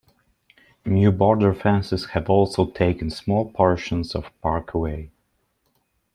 New border fences have also taken small portions of the park away.